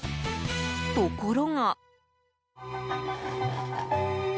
ところが。